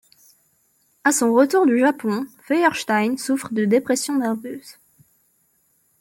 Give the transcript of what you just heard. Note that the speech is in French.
À son retour du Japon, Feuerstein souffre de dépression nerveuse.